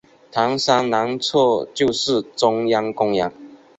糖山南侧就是中央公园。